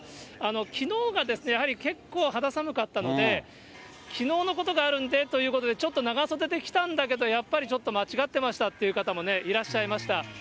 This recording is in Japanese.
きのうがやはり結構肌寒かったので、きのうのことがあるんでということで、ちょっと長袖で来たんだけど、やっぱりちょっと間違ってましたっていう方もいらっしゃいました。